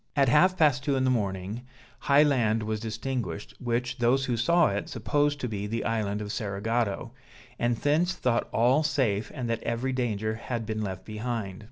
At half past two in the morning, high land was distinguished, which, those who saw it supposed to be the island of Cerigotto, and thence thought all safe, and that every danger had been left behind.